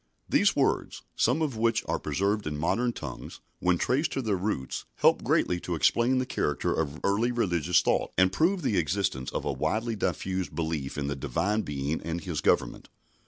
These words some of which are preserved in modern tongues when traced to their roots, help greatly to explain the character of early religious thought, and prove the existence of a widely diffused belief in the Divine Being and His government.